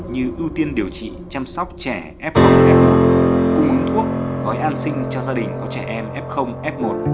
như ưu tiên điều trị chăm sóc trẻ f f một cung ứng thuốc gói an sinh cho gia đình có trẻ em f f một